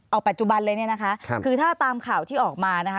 เอาปัจจุบันเลยเนี่ยนะคะคือถ้าตามข่าวที่ออกมานะคะ